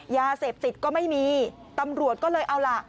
ยาเสพติดก็ไม่มีตำรวจก็เลยเอาล่ะ